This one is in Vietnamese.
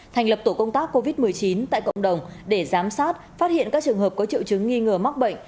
thành lập tổ công tác covid một mươi chín tại cộng đồng để giám sát phát hiện các trường hợp có triệu chứng nghi ngờ mắc bệnh